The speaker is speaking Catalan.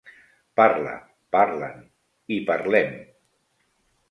Parla, parlen i parlem.